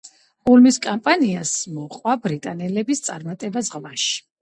ულმის კამპანიას მოყვა ბრიტანელების წარმატება ზღვაში.